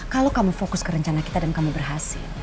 kalau kamu fokus ke rencana kita dan kamu berhasil